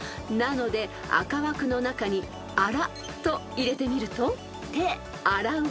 ［なので赤枠の中に「あら」と入れてみると］